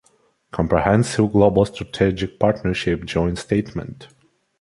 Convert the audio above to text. Comprehensive Global Strategic Partnership Joint Statement.